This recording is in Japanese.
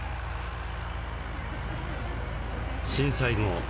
震災後